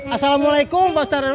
assalamualaikum pak ustadz rw